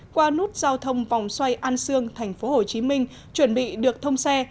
qua nút giao thông vòng xoay an sương tp hcm chuẩn bị được thông xe